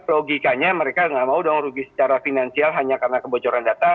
logikanya mereka nggak mau dong rugi secara finansial hanya karena kebocoran data